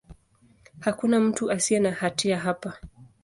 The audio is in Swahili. Hakuna mtu asiye na hatia hapa.